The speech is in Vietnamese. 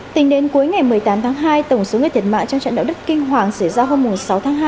tính đến cuối ngày một mươi tám tháng hai tổng số người thiệt mạng trong trận động đất kinh hoàng xảy ra hôm sáu tháng hai